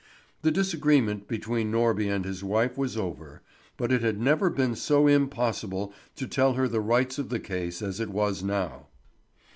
The disagreement between Norby and his wife was over; but it had never been so impossible to tell her the rights of the case as it was now.